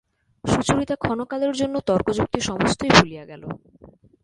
সুচরিতা ক্ষণকালের জন্য তর্কযুক্তি সমস্তই ভুলিয়া গেল।